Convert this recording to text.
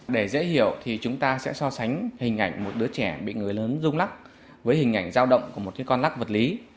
để dễ hiểu thì chúng ta sẽ so sánh hình ảnh một đứa trẻ bị người lớn dùng lọc với hình ảnh giao động của một con lọc vật lý